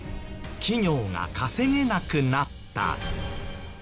企業が稼げなくなった。